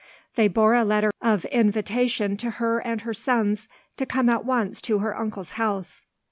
They bore a letter of invitation to her and her sons to come at once to her uncle's house.